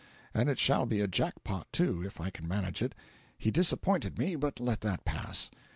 And it shall be a jack pot, too, if I can manage it. He disappointed me, but let that pass.'